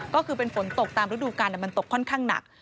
ก็คือเป็นฝนตกตามฤดูกาลมันตกค่อนข้างหนัก